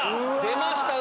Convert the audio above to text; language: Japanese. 出ました